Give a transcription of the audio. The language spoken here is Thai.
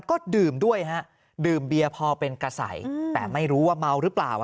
ก็ดื่มด้วยฮะดื่มเบียร์พอเป็นกระสัยแต่ไม่รู้ว่าเมาหรือเปล่า